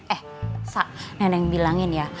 eh neneng bilangin ya